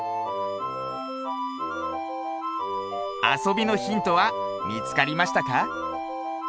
あそびのヒントはみつかりましたか？